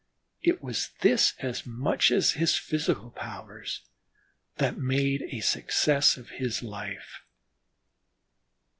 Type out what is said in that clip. It was this as much as his physical powers that made a success of his life.